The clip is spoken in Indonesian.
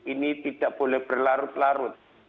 ini tidak boleh berlarut larut